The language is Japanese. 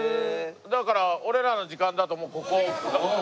だから俺らの時間だともうここ。